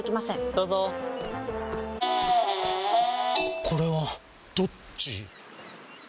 どうぞこれはどっち？